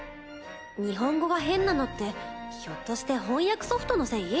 日本語が変なのってひょっとして翻訳ソフトのせい？